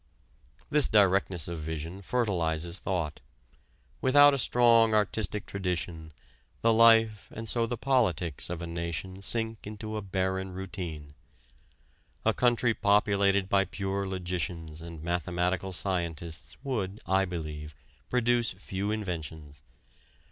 This directness of vision fertilizes thought. Without a strong artistic tradition, the life and so the politics of a nation sink into a barren routine. A country populated by pure logicians and mathematical scientists would, I believe, produce few inventions.